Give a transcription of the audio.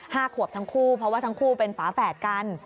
ขวบทั้งคู่เพราะว่าทั้งคู่เป็นฝาแฝดกัน